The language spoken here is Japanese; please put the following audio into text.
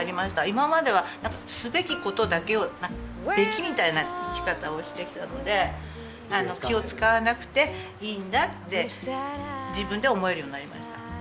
今まではすべきことだけを「べき」みたいな生き方をしてきたので気を遣わなくていいんだって自分で思えるようになりました。